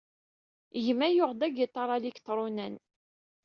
Gma yuɣ-d agiṭar aliktrunan.